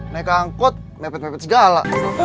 naik angkot mepet mepet segala